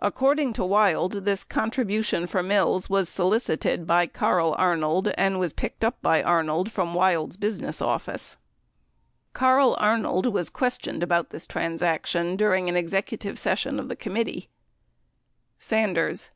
According to Wild, this contribution for Mills was solicited by Carl Arnold and was picked up by Arnold from Wild's business office. Carl Arnold was questioned about this transaction during an execu tive session of the committee : Sanders.